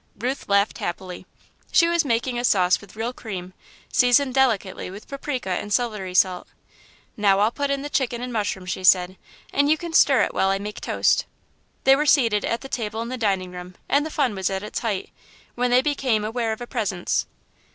Ruth laughed happily. She was making a sauce with real cream, seasoned delicately with paprika and celery salt. "Now I'll put in the chicken and mushrooms," she said, "and you can stir it while I make toast." They were seated at the table in the dining room and the fun was at its height, when they became aware of a presence.